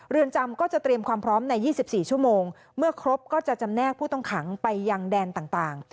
เรือนจำก็จะเตรียมความพร้อมใน๒๔ชั่วโมงเมื่อครบก็จะจำแนกผู้ต้องขังไปยังแดนต่าง